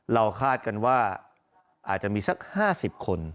คาดกันว่าอาจจะมีสัก๕๐คน